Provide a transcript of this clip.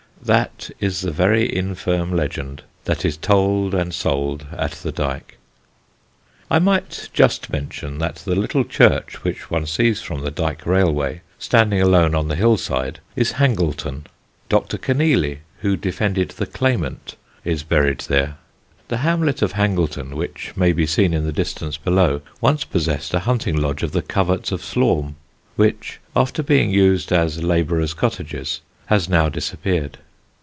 That is the very infirm legend that is told and sold at the Dyke. [Sidenote: HANGLETON] I might just mention that the little church which one sees from the Dyke railway, standing alone on the hill side, is Hangleton. Dr. Kenealy, who defended the Claimant, is buried there. The hamlet of Hangleton, which may be seen in the distance below, once possessed a hunting lodge of the Coverts of Slaugham, which, after being used as labourers' cottages, has now disappeared.